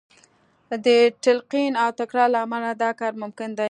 د تلقین او تکرار له امله دا کار ممکن دی